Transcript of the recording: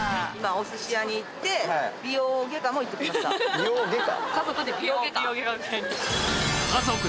美容外科？